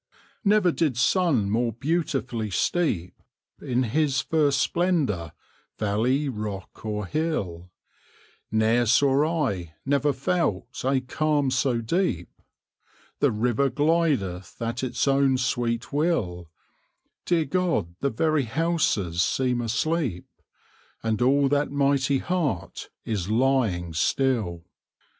Never did sun more beautifully steep In his first splendour, valley, rock or hill; Ne'er saw I, never felt, a calm so deep! The river glideth at his own sweet will: Dear God! the very houses seem asleep; And all that mighty heart is lying still!"